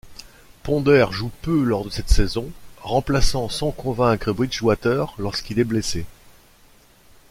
Ponder joue peu lors de cette saison, remplaçant sans convaincre Bridgewater lorsqu'il est blessé.